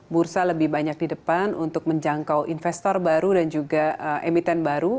bursa lebih banyak di depan untuk menjangkau investor baru dan juga emiten baru